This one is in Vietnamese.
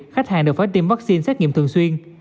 khách hàng đều phải tiêm vaccine xét nghiệm thường xuyên